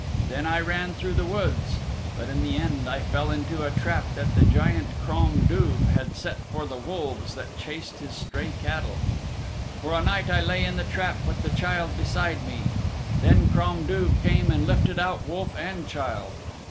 Then I ran through the woods. But in the end I fell into a trap that the Giant Crom Duv had set for the wolves that chased his stray cattle. "For a night I lay in the trap with the child beside me. Then Crom Duv came and lifted out wolf and child.